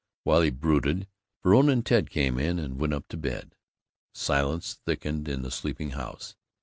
While he brooded, Verona and Ted came in and went up to bed. Silence thickened in the sleeping house.